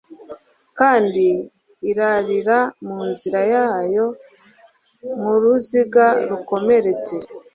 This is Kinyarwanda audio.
kandi irarira mu nzira yayo nkuruziga rukomeretse